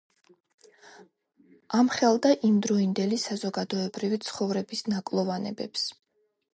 ამხელდა იმდროინდელი საზოგადოებრივი ცხოვრების ნაკლოვანებებს.